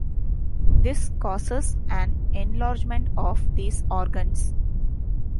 This causes an enlargement of these organs.